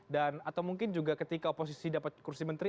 dan atau mungkin juga ketika oposisi dapat kursi menteri